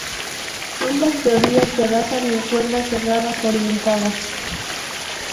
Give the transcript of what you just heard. Ambas teorías se basan en cuerdas cerradas orientadas.